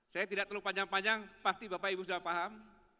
saya tidak terlalu panjang panjang pasti bapak ibu sudah paham